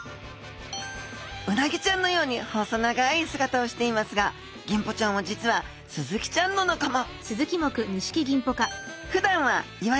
うなぎちゃんのように細長い姿をしていますがギンポちゃんは実はスズキちゃんの仲間。